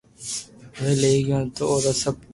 اووي لئي گيو تو را سب اورزا